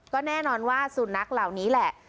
ก็แน่นอนว่าสุนัขเหล่านี้แหละ